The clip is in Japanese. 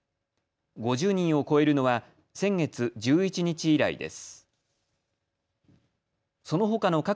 ５０人を超えるのは先月１１日以来です。